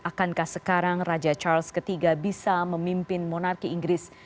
akankah sekarang raja charles iii bisa memimpin monarki inggris